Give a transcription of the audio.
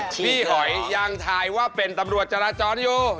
พี่หอยยังทายว่าเป็นตำรวจจราจรอยู่